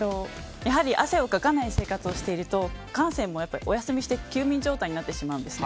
やはり汗をかかない生活をしていると汗腺もお休みして休眠状態になってしまうんです。